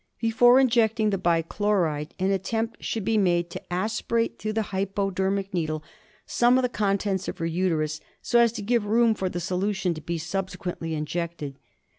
Before injecting the bichloride an attempt should be made to aspirate through the hypodermic needle some of the contents of her uterus, so as to give room for the solution to be subse quently injected.